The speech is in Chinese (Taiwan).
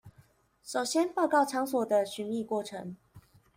首先報告場所的尋覓過程